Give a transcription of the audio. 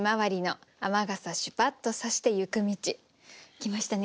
来ましたね